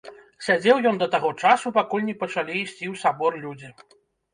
Сядзеў ён да таго часу, пакуль не пачалі ісці ў сабор людзі.